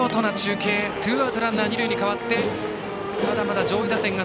ツーアウトランナー、二塁に変わってただ、まだ上位打線。